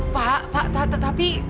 pak pak tapi